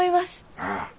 ああ。